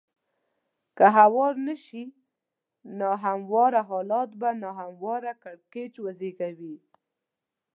که هوار نه شي نا همواره حالات به نا همواره کړکېچ وزېږوي.